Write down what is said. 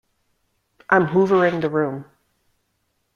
I'm hoovering the room.